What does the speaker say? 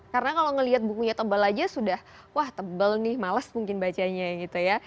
karena kalau melihat bukunya tebal aja sudah wah tebal nih malas mungkin bacanya gitu ya